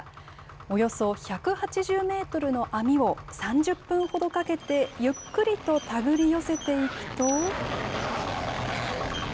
およそ１８０メートルの網を３０分ほどかけて、ゆっくりと手繰り寄せていくと。